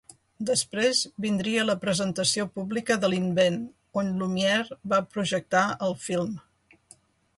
Després vindria la presentació pública de l'invent on Lumière va projectar el film.